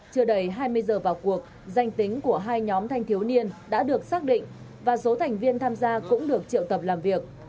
chưa đầy hai mươi giờ vào cuộc danh tính của hai nhóm thanh thiếu niên đã được xác định và số thành viên tham gia cũng được triệu tập làm việc